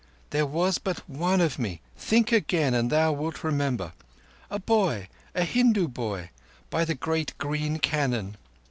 "There was but one of me. Think again and thou wilt remember. A boy—a Hindu boy—by the great green cannon."